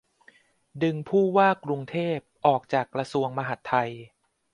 ดึง ผู้ว่ากรุงเทพ ออกจากกระทรวงมหาดไทย